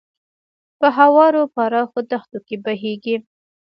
په هوارو پراخو دښتو کې بهیږي.